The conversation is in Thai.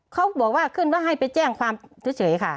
เขาบอกว่าขึ้นว่าให้ไปแจ้งความเฉยค่ะ